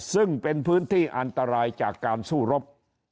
ซึ่งเป็นพื้นที่อันตรายจากการสู้รบ